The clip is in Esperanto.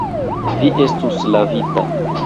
Vi estus lavita.